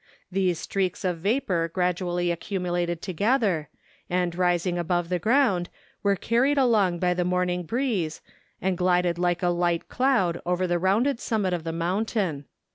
These streaks of vapour gradually accumulated together, and rising above the ground, were carried along by the morn¬ ing breeze, and glided like a light cloud over the rounded summit of the mountain.